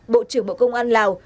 bộ trưởng bộ công an lào